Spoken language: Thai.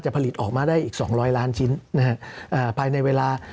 สำหรับกำลังการผลิตหน้ากากอนามัย